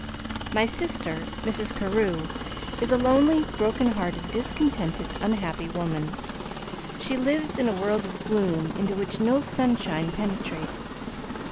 "My sister, Mrs. Carew, is a lonely, broken hearted, discontented, unhappy woman. She lives in a world of gloom, into which no sunshine penetrates.